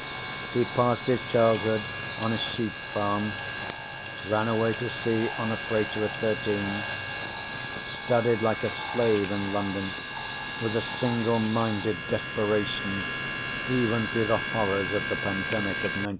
He passed his childhood on a sheep farm, ran away to sea on a freighter at thirteen, studied like a slave in London with a single minded desperation, even through the horrors of the Pandemic of 1972.